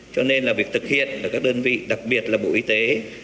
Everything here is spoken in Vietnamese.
cho nên là việc thực hiện ở các đơn vị đặc biệt là bộ y tế